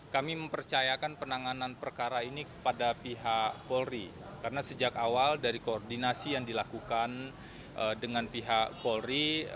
kami mempercayakan penanganan perkara ini kepada pihak polri karena sejak awal dari koordinasi yang dilakukan dengan pihak polri